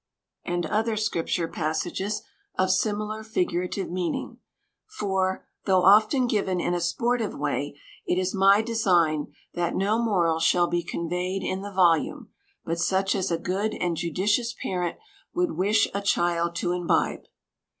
and other Scripture passages of similar figurative meaning; for, though often given in a sportive way, it is my design that no moral shall be conveyed in the volume, but such as a good and judicious parent would wish a child to imbibe.